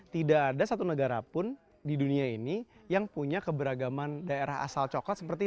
tidak ada satu negara pun di dunia ini yang punya keberagaman daerah asal coklat seperti